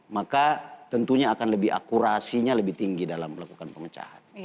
maka tentunya akan lebih akurasinya lebih tinggi dalam melakukan pemecahan